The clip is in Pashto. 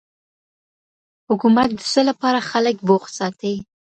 حکومت د څه لپاره خلګ بوخت ساتي؟